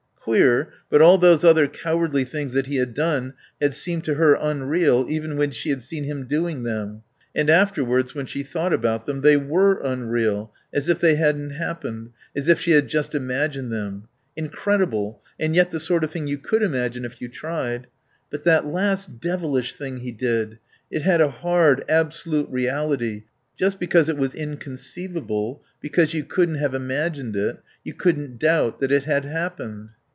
Queer, but all those other cowardly things that he had done had seemed to her unreal even when she had seen him doing them; and afterwards when she thought about them they were unreal, as if they hadn't happened, as if she had just imagined them. Incredible, and yet the sort of thing you could imagine if you tried. But that last devilish thing he did, it had a hard, absolute reality. Just because it was inconceivable, because you couldn't have imagined it, you couldn't doubt that it had happened.